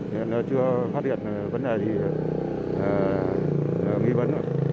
hiện là chưa phát hiện vấn đề gì nghi vấn nữa